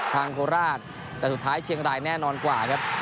โคราชแต่สุดท้ายเชียงรายแน่นอนกว่าครับ